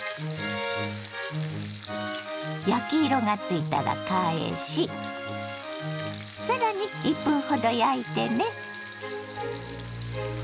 焼き色がついたら返しさらに１分ほど焼いてね。